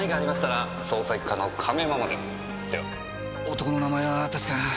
男の名前は確か。